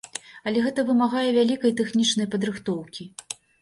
Але гэта вымагае вялікай тэхнічнай падрыхтоўкі.